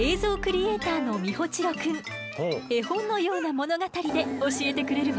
絵本のような物語で教えてくれるわ。